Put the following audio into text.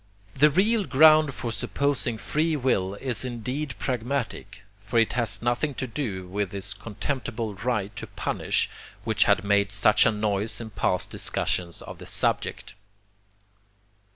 The real ground for supposing free will is indeed pragmatic, but it has nothing to do with this contemptible right to punish which had made such a noise in past discussions of the subject.